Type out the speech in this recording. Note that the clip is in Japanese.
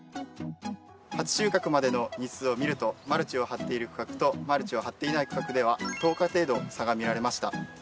初収穫までの日数を見るとマルチを張っている区画とマルチを張っていない区画では１０日程度差が見られました。